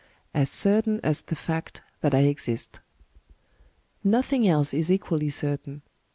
As certain as the feet that I exist. Nothing else is equally certain.